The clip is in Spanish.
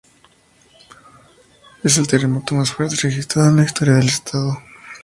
Es el terremoto más fuerte registrado en la historia del estado.